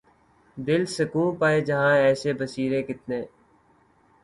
دل سکوں پائے جہاں ایسے بسیرے کتنے